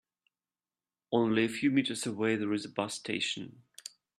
Only a few meters away there is a bus station.